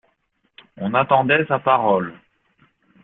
On attendait sa parole.